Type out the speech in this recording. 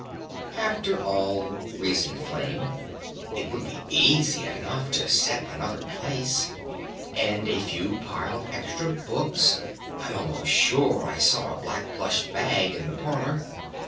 "After all," reasoned Flame, "it would be easy enough to set another place! And pile a few extra books!... I'm almost sure I saw a black plush bag in the parlor....